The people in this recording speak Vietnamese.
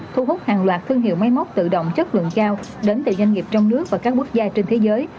thu hút hàng loạt thương hiệu máy móc tự động chất lượng cao đến từ doanh nghiệp trong nước và các quốc gia trên thế giới